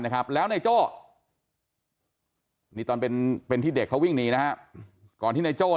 นะครับแล้วในโจ้ตอนเป็นที่เด็กเขาวิ่งหนีนะก่อนที่ในโจ้